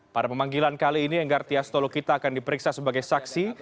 pada pemanggilan kali ini enggartia stolokita akan diperiksa sebagai saksi